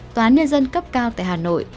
tòa án nhân dân cấp cao tại hà nội